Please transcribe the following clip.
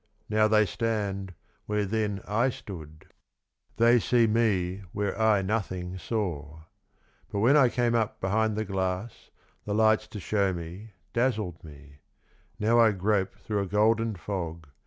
Now they stand, where then I stood; they see me where I nothing saw. But when I came behind the glass, the lights to show me, dazzled me ; now I grope through a golden fog.